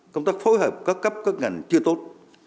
công tác phối hợp các cấp các ngành chưa tốt